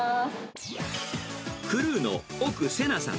クルーの奥聖菜さん。